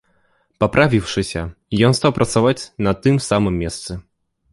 Паправіўшыся, ён стаў працаваць на тым самым месцы.